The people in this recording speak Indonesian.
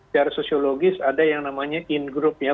secara sosiologis ada yang namanya ingroup ya